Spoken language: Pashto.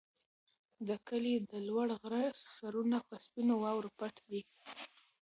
د کلي د لوړ غره سرونه په سپینو واورو پټ دي.